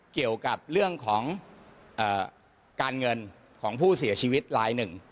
เกี่ยวกับเรื่องของการเงินของผู้เสียชีวิตรายหนึ่ง